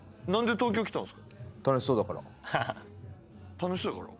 楽しそうやから？